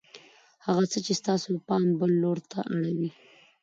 هغه څه چې ستاسې پام بل لور ته اړوي